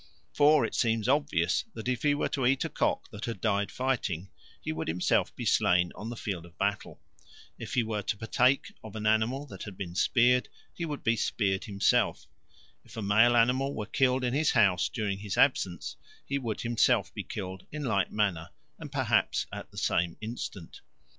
For it seems obvious that if he were to eat a cock that had died fighting, he would himself be slain on the field of battle; if he were to partake of an animal that had been speared, he would be speared himself; if a male animal were killed in his house during his absence, he would himself be killed in like manner and perhaps at the same instant.